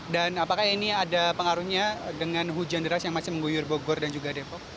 dan apakah ini ada pengaruhnya dengan hujan deras yang masih mengguyur bogor dan juga depok